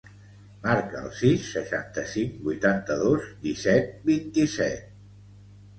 Marca el sis, seixanta-cinc, vuitanta-dos, disset, vint-i-set.